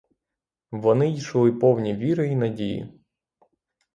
Вони йшли повні віри й надії.